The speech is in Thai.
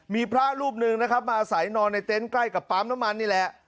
มีพระรูปหนึ่งนะครับมาอาศัยนอนในเต็นต์ใกล้กับปั๊มน้ำมันนี่แหละ